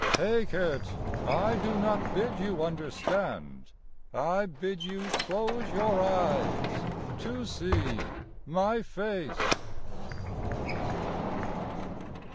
Take it; I do not bid you understand; I bid you close your eyes â ^to see my face!